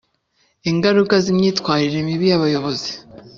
ingaruka z’imyitwarire mibi y abayobozi